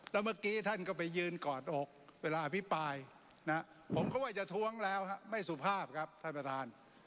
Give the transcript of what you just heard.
แล้วเมื่อกี้ท่านก็ไปยืนกอดอกเวลาอภิปรายผมก็ว่าจะท้วงแล้วไม่สุภาพครับท่านประธาน